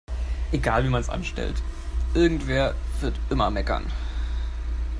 Egal wie man es anstellt, irgendwer wird immer meckern.